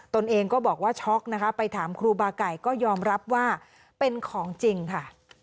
ตนเองก็บอกว่าช็อกนะคะไปถามครูบาไก่ก็ยอมรับว่าเป็นของจริงค่ะ